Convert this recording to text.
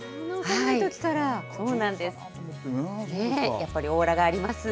やっぱりオーラがあります。